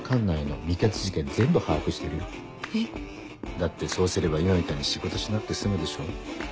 だってそうすれば今みたいに仕事しなくて済むでしょ。